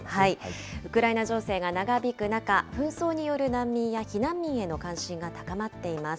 ウクライナ情勢が長引く中、紛争による難民や避難民への関心が高まっています。